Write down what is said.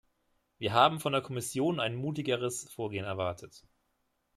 Wir haben von der Kommission ein mutigeres Vorgehen erwartet.